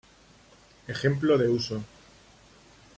Ejemplo de uso